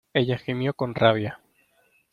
ella gimió con rabia: